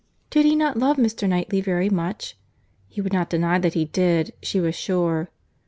—Did he not love Mr. Knightley very much?—He would not deny that he did, she was sure.